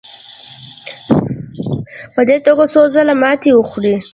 په دې توګه څو ځله ماتې وخوړې.